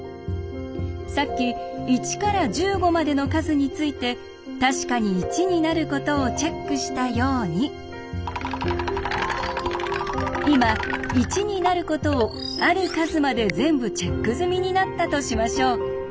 さっき１から１５までの数について確かに１になることをチェックしたように今１になることをある数まで全部チェック済みになったとしましょう。